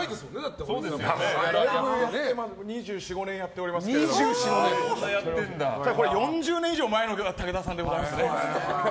２４２５年やってまして４０年以上前の武田さんでございますね。